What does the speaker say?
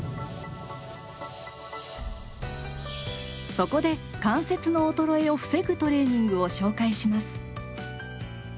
そこで関節の衰えを防ぐトレーニングを紹介します。